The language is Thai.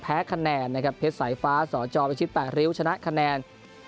แพ้คะแนนนะครับเพชรสายฟ้าสอจอมอีกชิดแปดริ้วชนะคะแนน